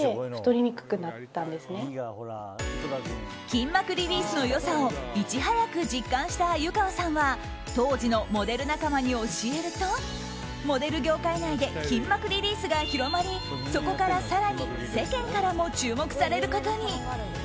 筋膜リリースの良さをいち早く実感した鮎河さんは当時のモデル仲間に教えるとモデル業界内で筋膜リリースが広まりそこから更に世間からも注目されることに。